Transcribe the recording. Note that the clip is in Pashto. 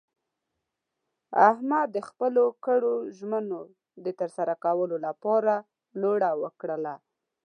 احمد د خپلو کړو ژمنو د ترسره کولو لپاره لوړه وکړله.